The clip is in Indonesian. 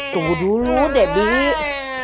tunggu dulu debbie